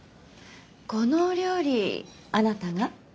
このお料理あなたが？